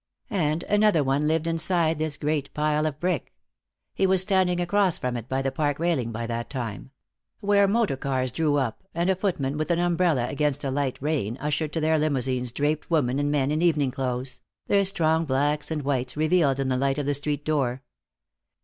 And another one lived inside this great pile of brick, he was standing across from it, by the park railing, by that time where motor cars drew up, and a footman with an umbrella against a light rain ushered to their limousines draped women and men in evening clothes, their strong blacks and whites revealed in the light of the street door.